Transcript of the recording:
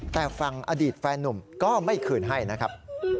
แต่ฝั่งอดีตแฟนนุ่มก็ไม่คืนให้นะครับ